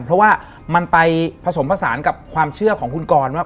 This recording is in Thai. เพราะว่ามันไปผสมผสานกับความเชื่อของคุณกรว่า